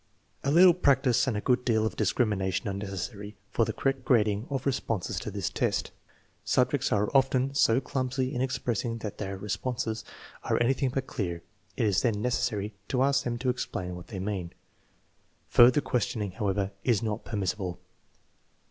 A little practice and a good deal of discrimination are necessary for the correct grading of responses to this test. Subjects are often so clumsy in expression that their re sponses are anything but clear. It is then necessary to ask them to explain what they mean. Further questioning, however, is not permissible.